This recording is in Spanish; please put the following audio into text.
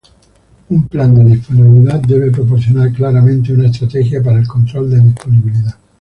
Un plan de disponibilidad debe proporcionar claramente una estrategia para el control de disponibilidad.